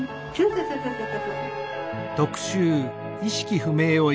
そうそうそうそう。